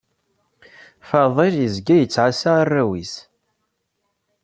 Faḍil yezga yettɛassa arraw-is.